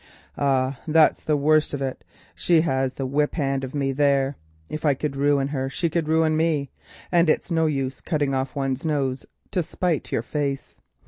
Ah! that's the worst of it, she has the whip hand of me there; if I could ruin her she could ruin me, and it's no use cutting off one's nose to spite your face.